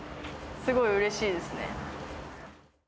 すごいうれしいですね。